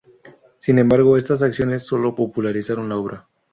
Sin embargo, estas acciones solo popularizaron la obra.